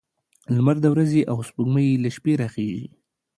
لمر د ورځې او سپوږمۍ له شپې راخيژي